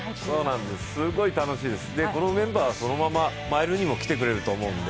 すごい楽しいです、このメンバーはそのままマイルにも来てくれると思うので。